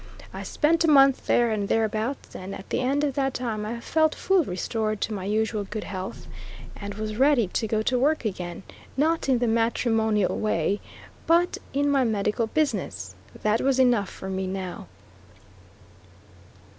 I spent a month there and thereabouts, and at the end of that time I felt full restored to my usual good health, and was ready to go to work again, not in the matrimonial way, but in my medical business, that was enough for me now.